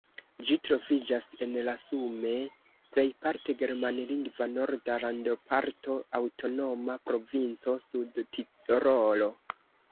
Ĝi troviĝas en la sume plejparte germanlingva norda landoparto Aŭtonoma Provinco Sudtirolo.